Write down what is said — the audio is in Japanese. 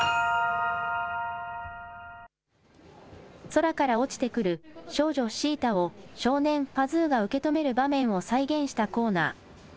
空から落ちてくる少女シータを、少年パズーが受け止める場面を再現したコーナー。